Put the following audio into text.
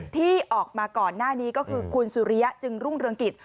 ที่ออกมาก่อนหน้านี้ก็คือคุณสุริยะจึงรุ่งเรืองกิจ